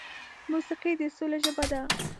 موسیقي د سولې ژبه ده.